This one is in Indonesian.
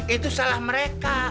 itu salah mereka